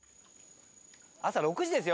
朝６時ですよ